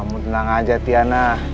kamu tenang aja tiana